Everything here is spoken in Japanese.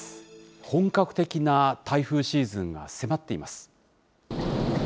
本格的な台風シーズンが迫っています。